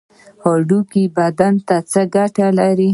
هډوکي بدن ته څه ګټه لري؟